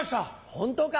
本当か？